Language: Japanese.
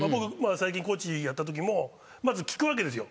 最近コーチやったときもまず聞くわけですよ